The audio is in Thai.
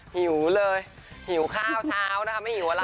หิวเลยหิวข้าวเช้านะคะไม่หิวอะไร